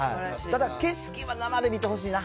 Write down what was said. ただ、景色は生で見てほしいな。